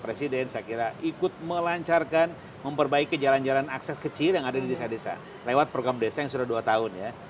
presiden saya kira ikut melancarkan memperbaiki jalan jalan akses kecil yang ada di desa desa lewat program desa yang sudah dua tahun ya